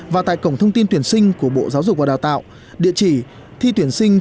và tại cổng thông tin tuyển sinh của bộ giáo dục và đào tạo địa chỉ thi tuyển sinh